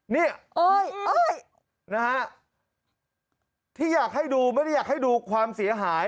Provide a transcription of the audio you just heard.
เนี่ยเอ้ยนะฮะที่อยากให้ดูไม่ได้อยากให้ดูความเสียหาย